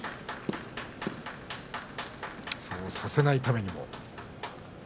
そうさせないためにも。